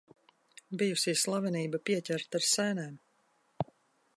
Bijusī slavenība pieķerta ar sēnēm.